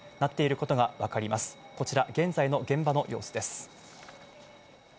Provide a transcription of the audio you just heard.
こちら現在の現場の様子です。